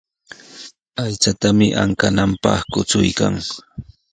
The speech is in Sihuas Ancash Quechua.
Aychatami ankananpaq kuchuykan.